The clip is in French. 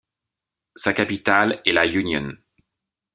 Sa capitale est La Unión.